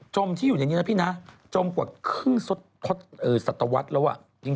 มที่อยู่ในนี้นะพี่นะจมกว่าครึ่งสัตวรรษแล้ว